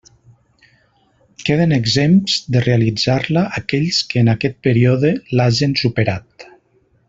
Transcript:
Queden exempts de realitzar-la aquells que, en aquest període, l'hagen superat.